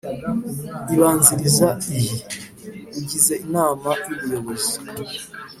Ibanziriza iyi ugize inama y ubuyobozi